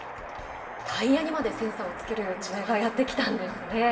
タイヤにまでセンサーをつける時代がやってきたんですね。